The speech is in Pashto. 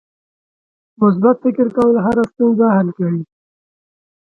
مثبت فکر کول هره ستونزه حل کوي.